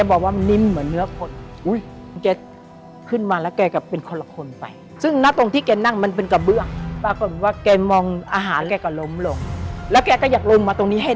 สวัสดีครับ